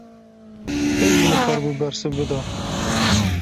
Te jî nikaribû bersiv bida!